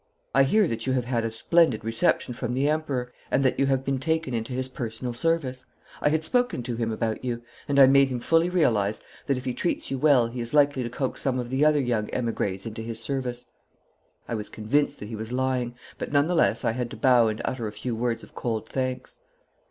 I hear that you have had a splendid reception from the Emperor, and that you have been taken into his personal service. I had spoken to him about you, and I made him fully realise that if he treats you well he is likely to coax some of the other young emigres into his service.' I was convinced that he was lying, but none the less I had to bow and utter a few words of cold thanks.